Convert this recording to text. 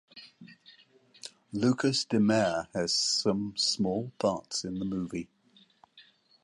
Lucas Demare has some small parts in the movie.